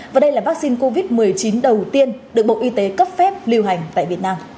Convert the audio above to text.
và đây là vaccine covid một mươi chín đầu tiên được bộ y tế cấp phép lưu hành tại việt nam